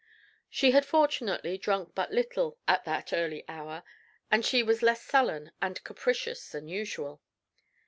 She had fortunately drunk but little at that early hour, and she was less sullen and capricious than usual.